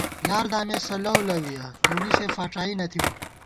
یار دامېسہ لَؤ لَوِیَہ ، تونی سے فاڄائی نہ تھِبہ